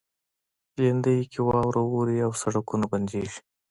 لېندۍ کې واوره اوري او سړکونه بندیږي.